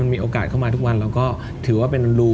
มีโอกาสเข้ามาทุกวันเราก็ถือว่าเป็นรู